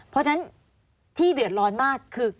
เพราะฉะนั้นที่เดือดร้อนมากคือ